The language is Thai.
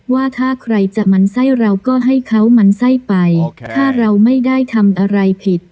ว่าถ้าใครจะหมั่นไส้เราก็ให้เขามันไส้ไปถ้าเราไม่ได้ทำอะไรผิด